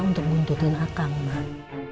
untuk buntutin akang mak